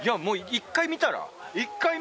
一回見たら？